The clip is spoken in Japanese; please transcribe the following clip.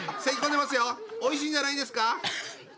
おいしいんじゃないですか？